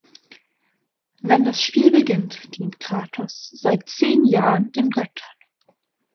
Wenn das Spiel beginnt, dient Kratos seit zehn Jahren den Göttern.